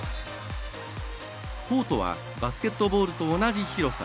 コートはバスケットボールと同じ広さ。